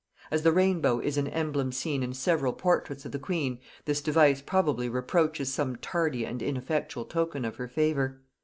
As the rainbow is an emblem seen in several portraits of the queen, this device probably reproaches some tardy and ineffectual token of her favor.